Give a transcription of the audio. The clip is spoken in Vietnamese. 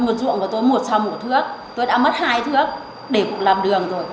một ruộng của tôi một xào một thước tôi đã mất hai thước để cũng làm đường rồi